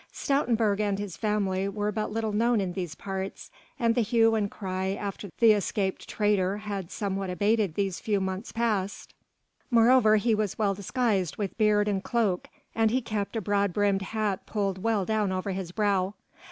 Stoutenburg and his family were but little known in these parts and the hue and cry after the escaped traitor had somewhat abated these few months past: moreover he was well disguised with beard and cloak and he kept a broad brimmed hat pulled well down over his brow.